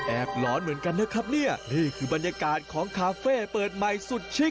หลอนเหมือนกันนะครับเนี่ยนี่คือบรรยากาศของคาเฟ่เปิดใหม่สุดชิค